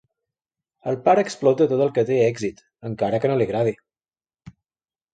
El pare explota tot el que té èxit, encara que no li agradi.